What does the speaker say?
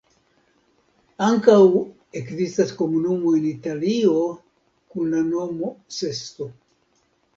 Ankaŭ ekzistas komunumo en Italio kun la nomo Sesto.